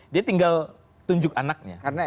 dia tinggal tunjuk anaknya